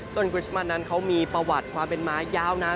คริสต์มัสนั้นเขามีประวัติความเป็นม้ายาวนาน